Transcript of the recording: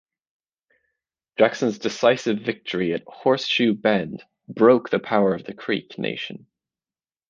Jackson's decisive victory at Horseshoe Bend broke the power of the Creek Nation.